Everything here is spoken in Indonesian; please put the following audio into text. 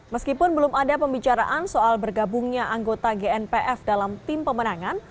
meskipun belum ada pembicaraan soal bergabungnya anggota gnpf dalam tim pemenangan